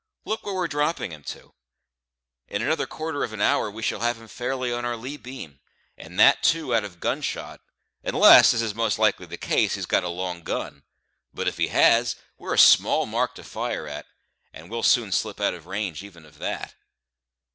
"Look where we're dropping him to; in another quarter of an hour we shall have him fairly on our lee beam, and that too out of gun shot, unless, as is most likely the case, he's got a long gun; but if he has, we're a small mark to fire at, and we'll soon slip out of range even of that."